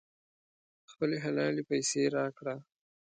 خپلې حلالې پیسې راکړه.